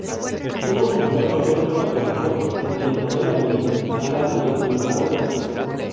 Tuvo su primer papel protagónico en telenovela "Belinda", al lado de Leonardo García.